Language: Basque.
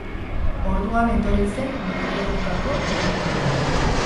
Orduan etorri zen norgehiagokako lehen gola.